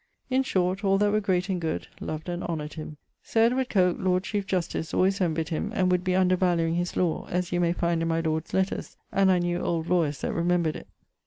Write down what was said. In short, all that were great and good loved and honoured him. Sir Edward Coke, Lord Chiefe Justice, alwayes envyed him, and would be undervalueing his lawe, as you may find in my lord's lettres, and I knew old lawyers that remembred it.